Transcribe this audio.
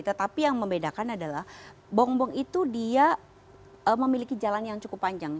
tetapi yang membedakan adalah bongbong itu dia memiliki jalan yang cukup panjang